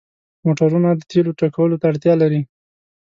موټرونه د تیلو ډکولو ته اړتیا لري.